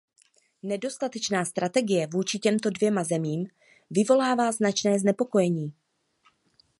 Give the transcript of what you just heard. Nedostatečná strategie vůči těmto dvěma zemím vyvolává značné znepokojení.